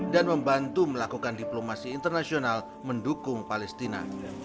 dan membantu melakukan diplomasi internasional mendukung palestina